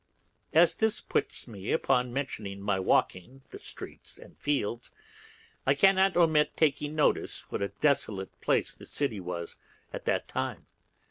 As this puts me upon mentioning my walking the streets and fields, I cannot omit taking notice what a desolate place the city was at that time.